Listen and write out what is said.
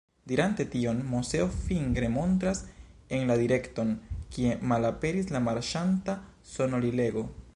Dirante tion, Moseo fingre montras en la direkton, kie malaperis la marŝanta sonorilego.